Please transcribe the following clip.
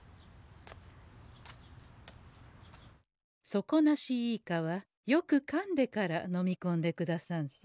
「底なしイカ」はよくかんでからのみこんでくださんせ。